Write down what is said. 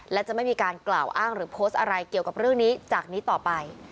และจะไม่มีการกล่าวอ้างหรือโพสต์อะไรเกี่ยวกับเรื่องนี้จากนี้ต่อไป